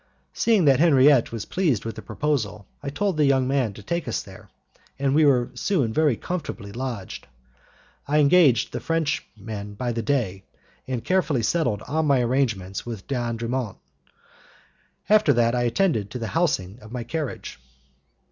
Seeing that Henriette was pleased with the proposal, I told the young man to take us there, and we were soon very comfortably lodged. I engaged the Frenchman by the day, and carefully settled all my arrangements with D'Andremont. After that I attended to the housing of my carriage.